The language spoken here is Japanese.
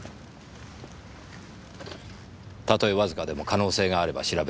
例えわずかでも可能性があれば調べる。